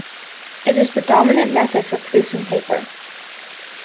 It is the dominant method for producing paper.